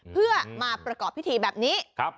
เพื่อมาประกอบพิธีแบบนี้